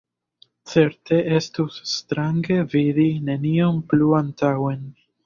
Certe estus strange vidi nenion plu antaŭen.